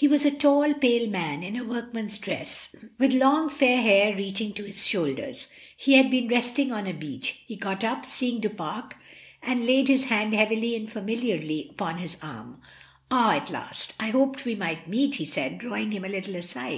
It was a tall, pale man, in a workman's dress, with long fair hair reaching to his shoulders. He had been resting on a bench; A LA PfeCHE MIRACULEUSE. lOl he got up, seeing Du Pare, and laid his hand heavily and familiarly upon his arm. "Ah! at last I hoped we might meet," he said, drawing him a little aside.